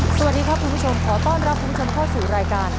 สวัสดีครับคุณผู้ชมขอต้อนรับคุณผู้ชมเข้าสู่รายการ